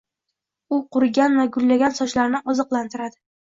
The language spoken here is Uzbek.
U qurigan va gullagan sochlarni oziqlantiradi.